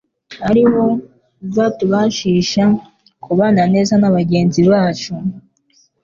ari wo uzatubashisha kubana neza na bagenzi bacu.